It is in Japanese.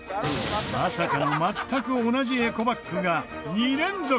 まさかの全く同じエコバッグが２連続！